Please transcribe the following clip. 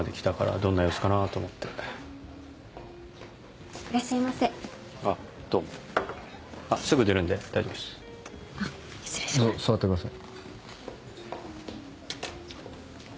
どうぞ座ってください。